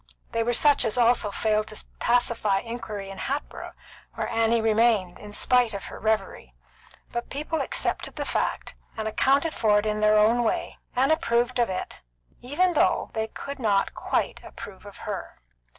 They were such as also failed to pacify inquiry in Hatboro', where Annie remained, in spite of her reverie; but people accepted the fact, and accounted for it in their own way, and approved it, even though they could not quite approve her.